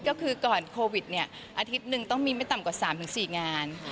ก็คือก่อนโควิดเนี่ยอาทิตย์หนึ่งต้องมีไม่ต่ำกว่า๓๔งาน